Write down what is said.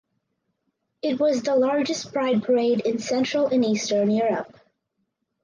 It was the largest pride parade in central and Eastern Europe.